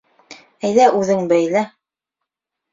Әйҙә үҙең бәйлә!